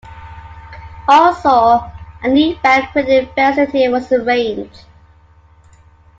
Also, a new bank credit facility was arranged.